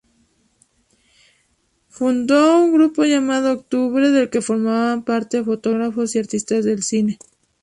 Fundó un grupo llamado "Octubre", del que formaban parte fotógrafos y artistas del cine.